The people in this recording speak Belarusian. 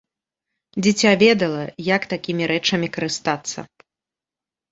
Дзіця ведала, як такімі рэчамі карыстацца.